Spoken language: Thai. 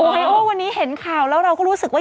ไอโอวันนี้เห็นข่าวแล้วเราก็รู้สึกว่า